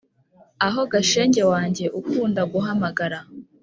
aho ga shenge wanjye ukunda guhamagara.’